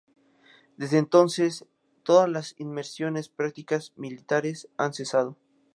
Desde entonces todas las inmersiones prácticas militares han cesado.